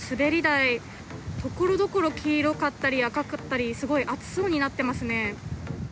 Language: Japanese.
滑り台、ところどころ黄色かったり赤かったりすごい熱そうになってますね。